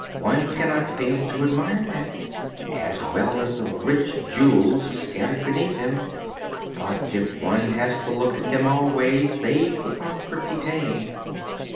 One cannot fail to admire them, as well as the rich jewels scattered beneath them; but if one has to look at them always, they become pretty tame."